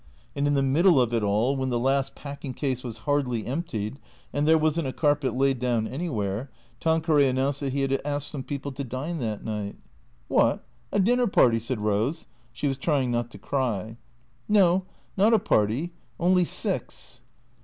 And in the middle of it all, when the last packing case was hardly emptied, and there was n't a carpet laid down anywhere, Tanqueray announced that he had asked some people to dine that night. "Wot, a dinner party?" said Rose (she was trying not to cry). " No, not a party. Only six."